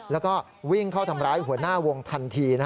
แล้วก็วิ่งเข้าทำร้ายหัวหน้าวงทันที